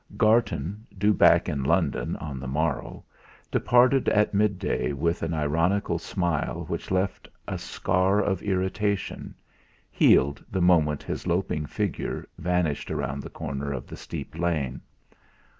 Garton, due back in London on the morrow, departed at midday with an ironical smile which left a scar of irritation healed the moment his loping figure vanished round the corner of the steep lane.